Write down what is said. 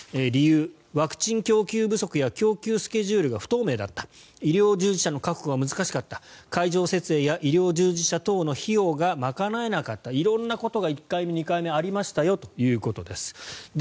理由、ワクチン供給不足や供給スケジュールが不透明だった医療従事者の確保が難しかった会場設営や医療従事者等の費用が賄えなかった色んなことが１回目２回目ありましたよということです。